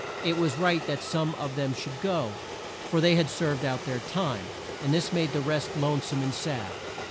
It was right that some of them should go, for they had served out their time, and this made the rest lone some and sad.